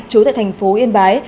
trú tại thành phố yên bái